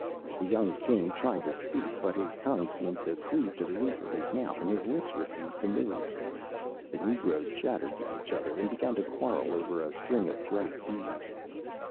The young King tried to speak, but his tongue seemed to cleave to the roof of his mouth, and his lips refused to move. The negroes chattered to each other, and began to quarrel over a string of bright beads.